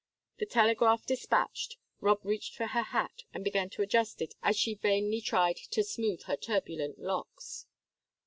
The telegram dispatched, Rob reached for her hat, and began to adjust it as she vainly tried to smooth her turbulent locks.